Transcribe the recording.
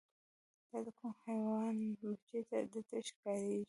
دا د کوم حیوان بچی درته ښکاریږي